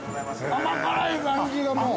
◆甘辛い感じがもう。